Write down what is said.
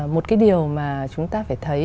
một cái điều mà chúng ta phải thấy